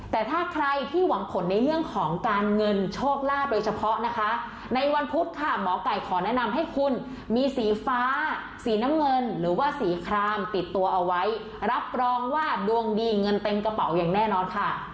แต่ถ้าใครที่หวังผลในเรื่องของการเงินโชคลาภโดยเฉพาะนะคะในวันพุธค่ะหมอไก่ขอแนะนำให้คุณมีสีฟ้าสีน้ำเงินหรือว่าสีครามติดตัวเอาไว้รับรองว่าดวงดีเงินเต็มกระเป๋าอย่างแน่นอนค่ะ